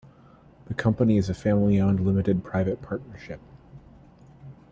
The company is a family-owned limited private partnership.